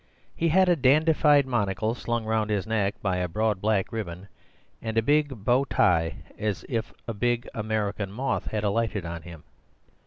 He had a dandified monocle slung round his neck by a broad black ribbon, and a big bow tie, as if a big American moth had alighted on him.